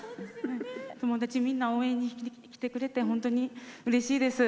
友達、みんな応援に来てくれて本当にうれしいです。